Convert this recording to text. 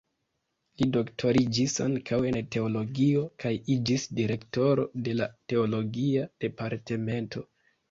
Li doktoriĝis ankaŭ en teologio kaj iĝis direktoro de la teologia departemento.